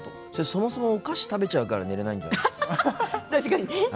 そもそも、お菓子食べちゃうから寝れないんじゃないですか？